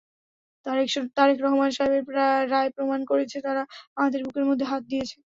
তারেক রহমান সাহেবের রায় প্রমাণ করেছে তারা আমাদের বুকের মধ্যে হাত দিয়েছে।